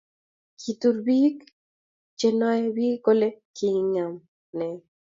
Kituur biik chenyoi biik kole kigaam ne?